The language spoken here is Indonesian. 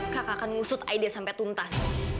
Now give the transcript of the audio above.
kakak akan ngusut aida sampai tuntas